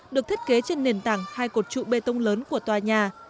được thiết kế trên nền tảng hai cột trụ bê tông lớn của tòa nhà